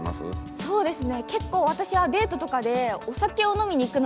そうですね。